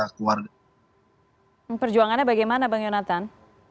perjuangannya bagaimana bang yonatan